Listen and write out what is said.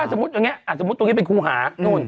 ถ้าสมมติอย่างนี้สมมติตรงนี้เป็นคูหา